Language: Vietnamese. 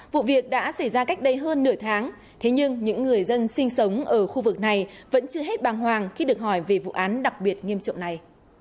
vụ việc đã xảy ra cách đây hơn nửa tháng thế nhưng những người dân sinh sống ở khu vực này vẫn chưa hết bàng hoàng khi được hỏi về vụ án đặc biệt nghiêm trọng này